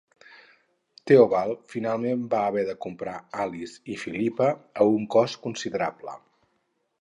Theobald finalment va haver de comprar Alice i Philippa a un cost considerable.